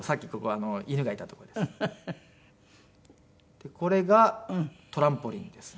でこれがトランポリンですね。